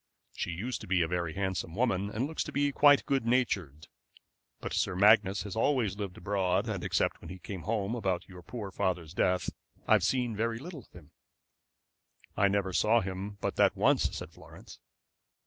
She used to be a very handsome woman, and looks to be quite good natured; but Sir Magnus has always lived abroad, and except when he came home about your poor father's death I have seen very little of him." "I never saw him but that once," said Florence.